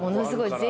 すごい。